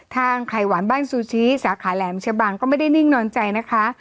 ไข่หวานบ้านซูชิสาขาแหลมชะบังก็ไม่ได้นิ่งนอนใจนะคะ